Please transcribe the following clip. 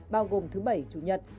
bao gồm thứ bảy chủ nhật